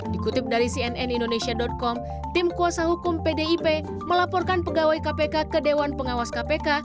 dikutip dari cnn indonesia com tim kuasa hukum pdip melaporkan pegawai kpk ke dewan pengawas kpk